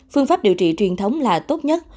phương pháp điều trị truyền thống là tốt nhất